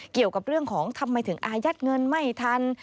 เกี่ยวกับเรื่องของทำไมถึงอายัดเงินไม่ทัน